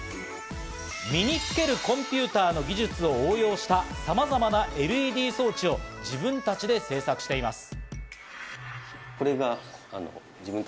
身につけるコンピューターの技術を応用した、さまざまなＬＥＤ装置を自分たちで制作しています。